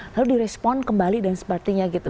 lalu di respon kembali dan sepertinya gitu